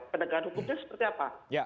penegakan hukumnya seperti apa